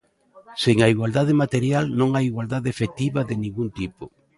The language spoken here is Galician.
Sen a igualdade material non hai igualdade efectiva de ningún tipo.